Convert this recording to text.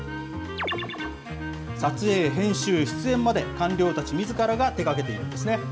撮影、編集、出演まで官僚たちみずからが手がけているんですね。